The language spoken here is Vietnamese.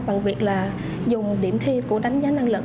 bằng việc là dùng điểm thi của đánh giá năng lực